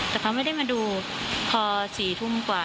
แต่เขาไม่ได้มาดูพอ๔ทุ่มกว่า